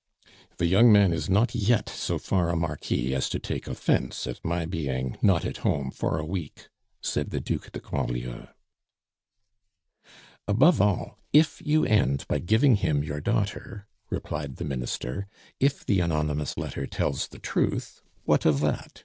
"The young man is not yet so far a Marquis as to take offence at my being 'Not at home' for a week," said the Duc de Grandlieu. "Above all, if you end by giving him your daughter," replied the Minister. "If the anonymous letter tells the truth, what of that?